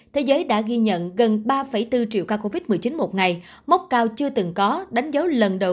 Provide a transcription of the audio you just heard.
thế giới đã ghi nhận gần ba bốn triệu ca covid một mươi chín một ngày mốc cao chưa từng có đánh dấu lần đầu